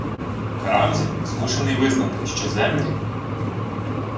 Карамзін змушений визнати, що землі